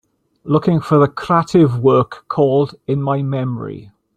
Looking for the crative work called In my memory